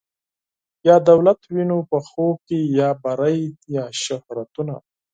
یا دولت وینو په خوب کي یا بری یا شهرتونه